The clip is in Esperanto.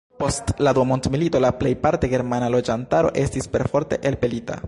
Post la dua mondmilito la plej parte germana loĝantaro estis perforte elpelita.